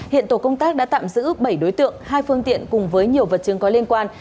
hiện tổ công tác đã tạm giữ bảy đối tượng hai phương tiện cùng với nhiều vật chứng có liên quan